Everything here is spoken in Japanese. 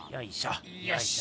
よし。